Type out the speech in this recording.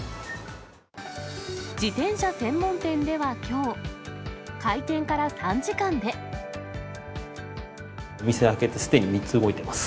自転車専門店ではきょう、お店開けてすでに３つ動いています。